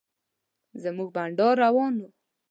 زموږ بنډار روان و.